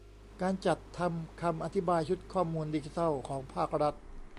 การจัดทำคำอธิบายชุดข้อมูลดิจิทัลของภาครัฐ